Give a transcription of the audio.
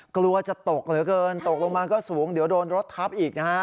กลัวจะตกเหลือเกินตกลงมาก็สูงเดี๋ยวโดนรถทับอีกนะฮะ